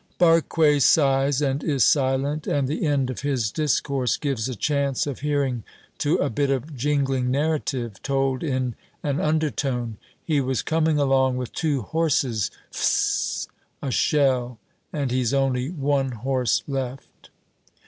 Barque sighs and is silent, and the end of his discourse gives a chance of hearing to a bit of jingling narrative, told in an undertone: "He was coming along with two horses Fs s s a shell; and he's only one horse left."